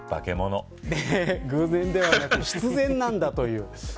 偶然でなく必然なんだと。